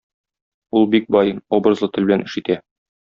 Ул бик бай, образлы тел белән эш итә.